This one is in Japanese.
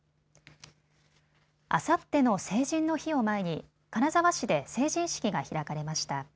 あさっての成人の日を前に金沢市で成人式が開かれました。